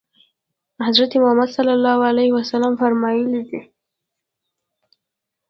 حضرت محمد صلی الله علیه وسلم فرمایلي دي.